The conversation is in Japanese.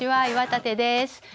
岩立です。